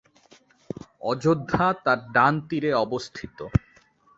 অযোধ্যা তার ডান তীরে অবস্থিত।